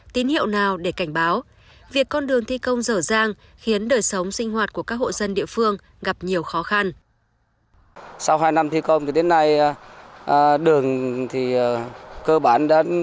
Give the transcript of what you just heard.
tín hiệu nào để cảnh báo việc con đường thi công dở dàng khiến đời sống sinh hoạt của các hộ dân địa phương gặp nhiều khó khăn